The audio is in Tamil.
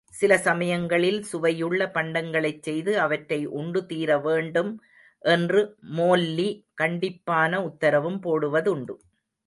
சில சமயங்களில் சுவையுள்ள பண்டங்களைச் செய்து, அவற்றை உண்டு தீர வேண்டும் என்று மோல்லி கண்டிப்பான உத்தரவும் போடுவதுண்டு.